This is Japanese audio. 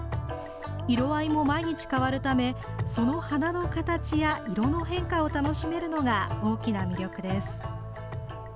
色合いも毎日変わるためその花の形や色の変化を楽しめるのが大きな魅力です。